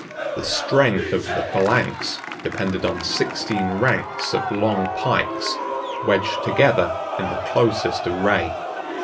The strength of the phalanx depended on sixteen ranks of long pikes, wedged together in the closest array.